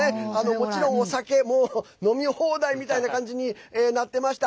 もちろん、お酒もう飲み放題みたいな感じになってました。